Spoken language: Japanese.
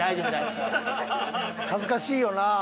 恥ずかしいよなあ。